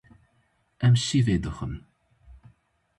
Em şîvê dixwin.